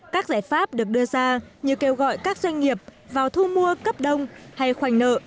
các giải pháp được đưa ra như kêu gọi các doanh nghiệp vào thu mua cấp đông hay khoảnh nợ